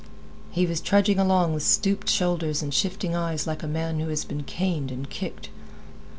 He was trudging along with stooped shoulders and shifting eyes like a man who has been caned and kicked.